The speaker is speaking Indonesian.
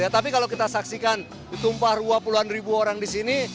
tapi kalau kita saksikan ditumpah dua puluh an ribu orang di sini